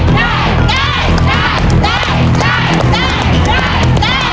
ครอบครัวของแม่ปุ้ยจังหวัดสะแก้วนะครับ